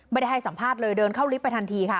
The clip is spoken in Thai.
ให้สัมภาษณ์เลยเดินเข้าลิฟต์ไปทันทีค่ะ